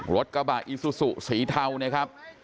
รถกระบะอีซูซูสีเทานะครับ